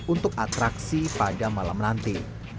untuk atraksi pada malam nanti